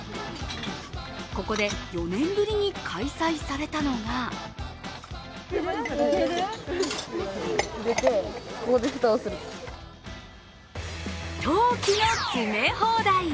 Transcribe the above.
ここで４年ぶりに開催されたのが陶器の詰め放題。